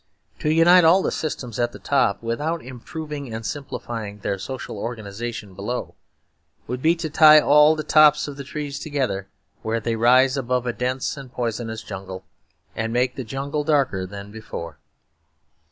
To unite all the systems at the top, without improving and simplifying their social organisation below, would be to tie all the tops of the trees together where they rise above a dense and poisonous jungle, and make the jungle darker than before.